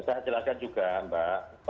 saya jelaskan juga mbak